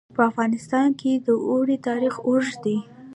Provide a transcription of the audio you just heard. په افغانستان کې د اوړي تاریخ اوږد دی.